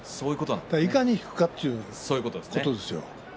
いかに引くかということですよ。